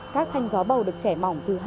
các thanh gió bầu được chẻ mỏng từ hai